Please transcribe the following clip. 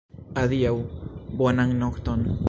Adiaŭ! Bonan nokton!